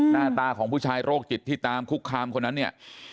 หน้าตาของผู้ชายโรคจิตที่ตามคุกคามคนนั้นเนี่ย